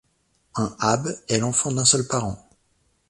Un Abh est l’enfant d’un seul parent.